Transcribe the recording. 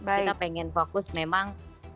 kita ingin fokus memang